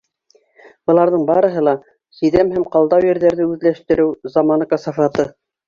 Быларҙың барыһы ла — сиҙәм һәм ҡалдау ерҙәрҙе үҙләштереү заманы касафаты.